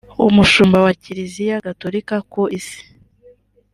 Umushumba wa Kiliziya Gatorika ku Isi